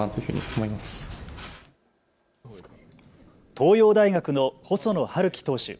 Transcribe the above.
東洋大学の細野晴希投手。